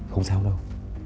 không sao đâu